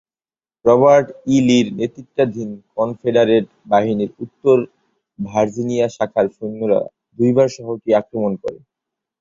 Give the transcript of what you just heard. Robert E লি-র নেতৃত্বাধীন Confederate বাহিনীর উত্তর ভার্জিনিয়া শাখার সৈন্যরা দুইবার শহরটি আক্রমণ করে।